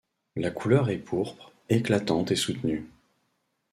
La couleur est pourpre, éclatante et soutenue.